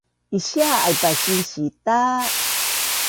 Isia aipa sinsi ta